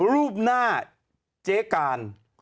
รูปหน้าเจ๊การ